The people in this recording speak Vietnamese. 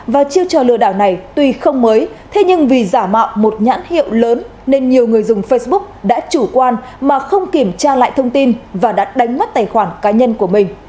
và chiêu trò lừa đảo này tuy không mới thế nhưng vì giả mạo một nhãn hiệu lớn nên nhiều người dùng facebook đã chủ quan mà không kiểm tra lại thông tin và đã đánh mất tài khoản cá nhân của mình